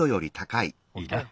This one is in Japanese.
いいな。